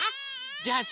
じゃあさ